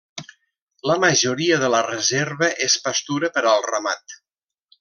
La majoria de la reserva és pastura per al ramat.